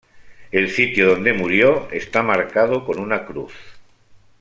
El sitio donde murió está marcado con una cruz.